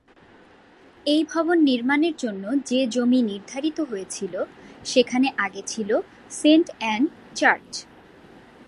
এই ভবন নির্মাণের জন্য যে জমি নির্ধারিত হয়েছিল, সেখানে আগে ছিল সেন্ট অ্যান চার্চ।